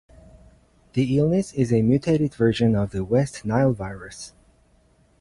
The illness is a mutated version of the West Nile virus.